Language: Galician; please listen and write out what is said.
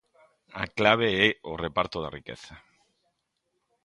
A clave é o reparto da riqueza.